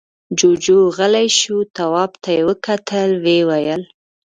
جُوجُو غلی شو. تواب ته يې وکتل، ويې ويل: